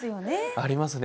ありますね。